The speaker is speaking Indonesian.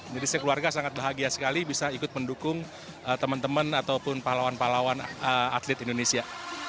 jadi sekeluarga sangat bahagia sekali bisa ikut mendukung teman teman ataupun pahlawan pahlawan atlet indonesia